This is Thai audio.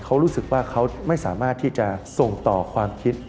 เขารู้สึกว่าเขาไม่สามารถที่จะส่งต่อความคิด